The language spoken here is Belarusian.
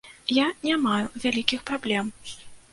Я не маю вялікіх праблем.